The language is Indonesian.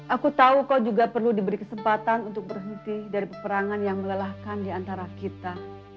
aku tahu kau juga perlu diberi kesempatan untuk berhenti dari peperangan yang melelahkan diantara kita